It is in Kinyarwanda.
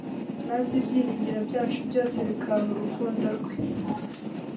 maze ibyiringiro byacu byose bikaba mu rukundo rwe.